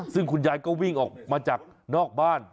ซึ่งคุณยายก็วิ่งออกมาจากนอกบ้าน